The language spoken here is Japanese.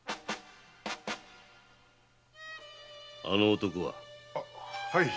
あの男は？